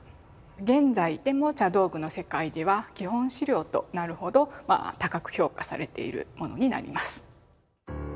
現在でも茶道具の世界では基本資料となるほど高く評価されているものになります。